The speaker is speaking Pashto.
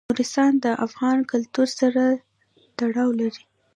نورستان د افغان کلتور سره تړاو لري.